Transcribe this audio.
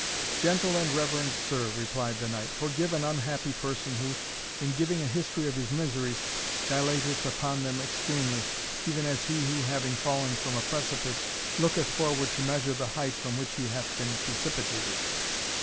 "Gentle and reverend sir," replied the knight, "forgive an unhappy person, who, in giving a history of his miseries, dilateth upon them extremely, even as he who, having fallen from a precipice, looketh upward to measure the height from which he hath been precipitated."